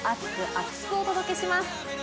厚く！お届けします。